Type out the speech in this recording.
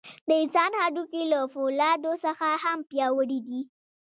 د انسان هډوکي له فولادو څخه هم پیاوړي دي.